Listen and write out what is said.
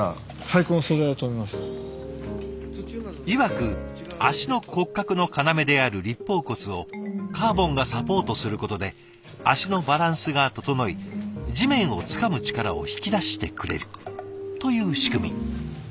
いわく足の骨格の要である立方骨をカーボンがサポートすることで足のバランスが整い地面をつかむ力を引き出してくれるという仕組み。